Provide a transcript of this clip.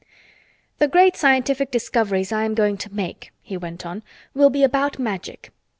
"The great scientific discoveries I am going to make," he went on, "will be about Magic.